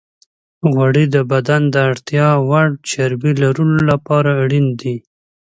غوړې د بدن د اړتیا وړ چربی لرلو لپاره اړینې دي.